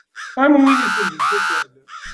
Am win isennden s uffal.